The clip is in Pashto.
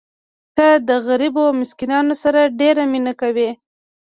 ته د غریبو او مسکینانو سره ډېره مینه کوې.